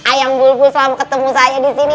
ayam bulbul selama ketemu saya disini